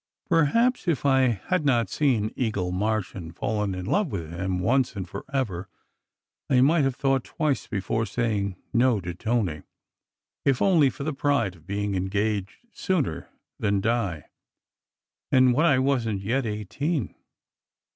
. Perhaps, if I had not seen Eagle March and fallen in love with him once and forever, I might have thought twice before saying "No" to Tony, if only for the pride of being engaged sooner than Di, and when I wasn t yet eigh teen.